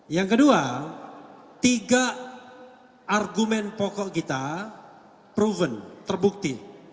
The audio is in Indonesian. yang kedua tiga argumen pokok kita proven terbukti